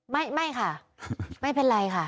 ไม่ค่ะไม่เป็นไรค่ะ